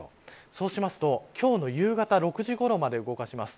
そうしますと、今日の夕方６時ごろまで動かします。